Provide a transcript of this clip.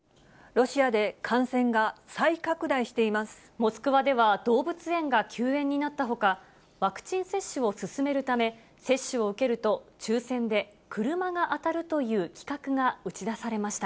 モスクワでは動物園が休園になったほか、ワクチン接種を進めるため、接種を受けると抽せんで車が当たるという企画が打ち出されました。